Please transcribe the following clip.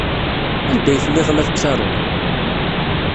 Anda ay telliḍ la tettaruḍ?